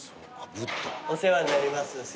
お世話になります